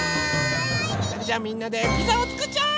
じゃあみんなでピザをつくっちゃおう！